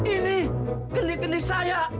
ini keni keni saya